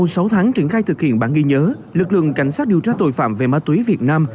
sau sáu tháng triển khai thực hiện bản ghi nhớ lực lượng cảnh sát điều tra tội phạm về ma túy việt nam